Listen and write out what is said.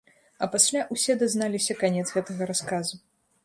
А пасля ўсе дазналіся канец гэтага расказу.